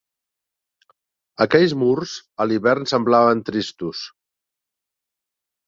Aquells murs a l'hivern semblaven tristos